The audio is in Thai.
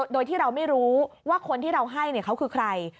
โดยที่เราไม่รู้ว่าคนที่เราให้เขาคือใคร